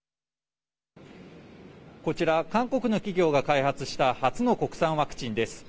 こちら、韓国の企業が開発した初の国産ワクチンです。